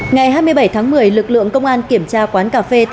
ngày hai mươi bảy tháng một mươi lực lượng công an kiểm tra quán cà phê